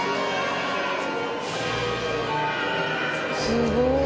すごい。